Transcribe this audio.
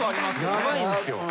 ヤバいんすよ。